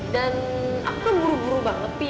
dan aku tuh buru buru banget fi